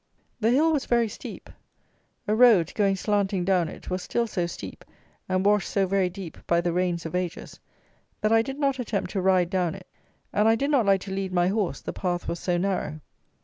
The hill was very steep. A road, going slanting down it, was still so steep, and washed so very deep, by the rains of ages, that I did not attempt to ride down it, and I did not like to lead my horse, the path was so narrow.